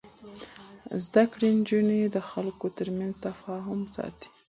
زده کړې نجونې د خلکو ترمنځ تفاهم ساتي.